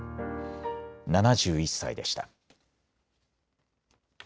７１歳でした。